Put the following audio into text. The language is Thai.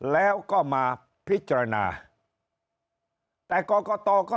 แล้วก็มาพิจารณาแต่กรกตก็ตัดสินค้า